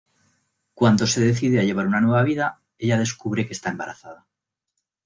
Cuando se decide a llevar una nueva vida, ella descubre que está embarazada.